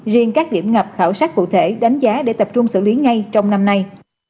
riêng các điểm ngập khảo sát cụ thể đánh giá để tập trung xử lý ngay trong năm nay